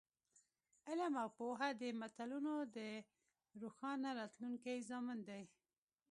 علم او پوهه د ملتونو د روښانه راتلونکي ضامن دی.